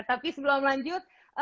tapi sebelum lanjut